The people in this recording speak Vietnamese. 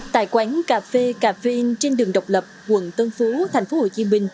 tại quán cà phê caffeine trên đường độc lập quận tân phú tp hcm